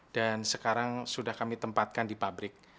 dan sekarang sudah kami tempatkan di pabrik